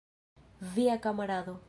Via kamarado.